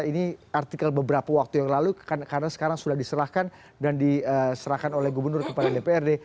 ini artikel beberapa waktu yang lalu karena sekarang sudah diserahkan dan diserahkan oleh gubernur kepada dprd